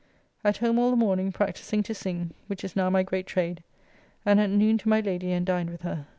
At home all the morning practising to sing, which is now my great trade, and at noon to my Lady and dined with her.